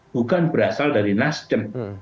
bukan berasal dari nasdem